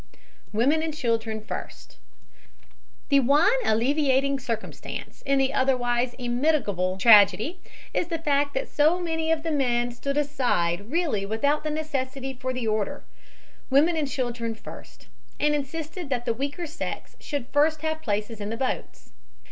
"WOMEN AND CHILDREN FIRST" The one alleviating circumstance in the otherwise immitigable tragedy is the fact that so many of the men stood aside really with out the necessity for the order, "Women and children first," and insisted that the weaker sex should first have places in the boats.